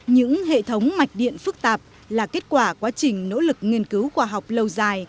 những hệ thống mạch điện phức tạp là kết quả quá trình nỗ lực nghiên cứu khoa học lâu dài